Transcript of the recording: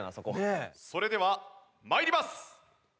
それでは参ります。